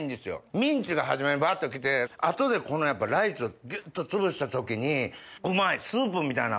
ミンチが初めにバァっと来て後でこのライチをギュっとつぶした時にうまいスープみたいな。